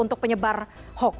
untuk penyebar hoax